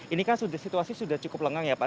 ini kan situasi sudah cukup lengang ya pak